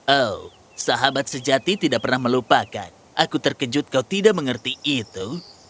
oh sahabat sejati tidak pernah melupakan aku terkejut kau tidak mengerti itu